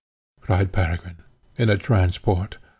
cried Peregrine, in a transport.